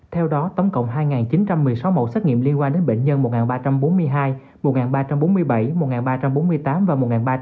theo đó tổng cộng hai chín trăm một mươi sáu mẫu xét nghiệm liên quan đến bệnh nhân một ba trăm bốn mươi hai một ba trăm bốn mươi bảy một ba trăm bốn mươi tám và một ba trăm linh